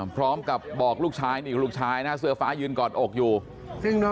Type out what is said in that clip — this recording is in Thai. พร้อมกับบอกลูกชายนี่ลูกชายนะเสือฟ้ายืนกอดอกอยู่